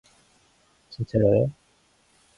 진짜로요?